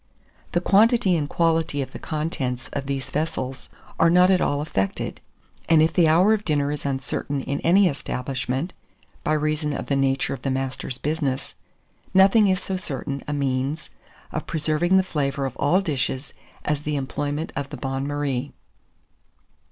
The quantity and quality of the contents of these vessels are not at all affected; and if the hour of dinner is uncertain in any establishment, by reason of the nature of the master's business, nothing is so certain a means of preserving the flavour of all dishes as the employment of the bain marie.